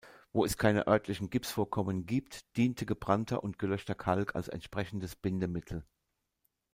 Wo es keine örtlichen Gipsvorkommen gibt, diente gebrannter und gelöschter Kalk als entsprechendes Bindemittel.